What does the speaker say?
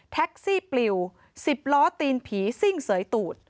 แท็กซี่ปลิว๑๐ล้อตีนผีซิ่งเสยตูด